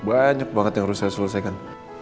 banyak banget yang harus saya selesaikan